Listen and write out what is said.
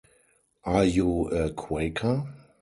Are you a Quaker?